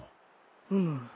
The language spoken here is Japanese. うむ。